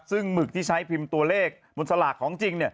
ซึ่งหมึกที่ใช้พิมพ์ตัวเลขบนสลากของจริง